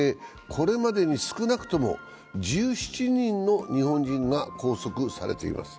これまでに少なくとも１７人の日本人が拘束されています。